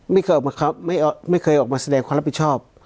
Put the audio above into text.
ไม่เคยออกมาครับไม่เคยออกมาแสดงความรับผิดชอบ